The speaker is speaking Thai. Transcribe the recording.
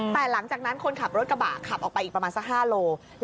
แต่หลังจากนั้นคนขับรถกระบะขับออกไปอีกประมาณสัก๕โล